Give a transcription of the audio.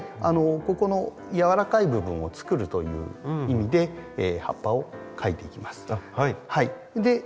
ここのやわらかい部分をつくるという意味で葉っぱをかいていきます。